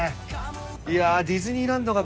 いや。